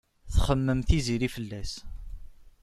Txemmem Tiziri fell-as.